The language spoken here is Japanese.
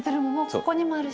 ここにもあるし。